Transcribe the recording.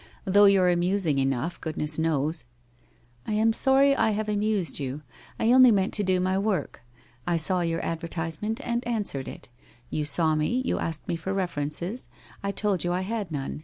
Though you're amusing enough, goodness knows!' ' I am sorry I have amused you. I only meant to do my work. I saw your advertisement and answered it. You saw me, you asked me for references. I told you I had none.